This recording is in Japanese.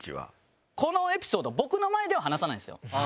このエピソード僕の前では話さないんですよ。